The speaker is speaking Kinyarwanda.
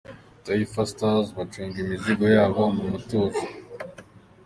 Taifa Stars bacunga imizigo yabo mu mutuzo.